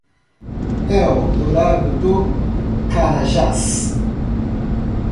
Eldorado do Carajás